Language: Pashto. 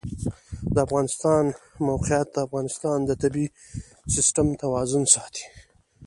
د افغانستان د موقعیت د افغانستان د طبعي سیسټم توازن ساتي.